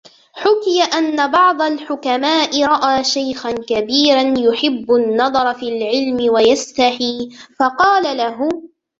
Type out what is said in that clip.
حُكِيَ أَنَّ بَعْضَ الْحُكَمَاءِ رَأَى شَيْخًا كَبِيرًا يُحِبُّ النَّظَرَ فِي الْعِلْمِ وَيَسْتَحِي فَقَالَ لَهُ